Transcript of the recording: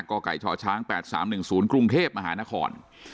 กล้อไก่ชอช้างแปดสามหนึ่งศูนย์กรุงเทพมหานคร